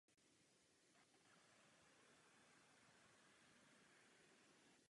Krajina v okolí hory je členěna četnými vrchy.